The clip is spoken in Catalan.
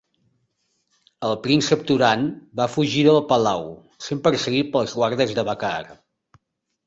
El príncep Turhan va fugir del palau, sent perseguit pels guardes de Bakaar.